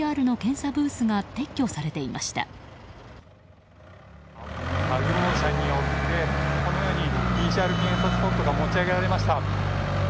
作業車によって、このようにＰＣＲ検査スポットが持ち上げられました。